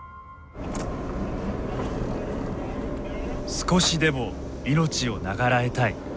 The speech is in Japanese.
少しでも命を長らえたい。